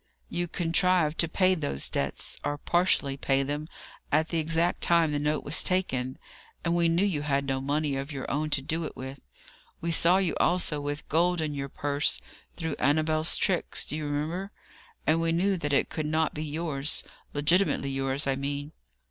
"You contrived to pay those debts, or partially pay them, at the exact time the note was taken; and we knew you had no money of your own to do it with. We saw you also with gold in your purse through Annabel's tricks, do you remember? and we knew that it could not be yours legitimately yours, I mean."